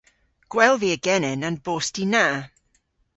Gwell via genen an bosti na.